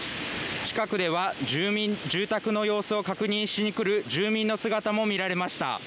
近くでは、住宅の様子を確認しに来る住民の姿も見られました。